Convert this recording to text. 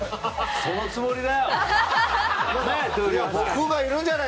そのつもりだよ！ねえ？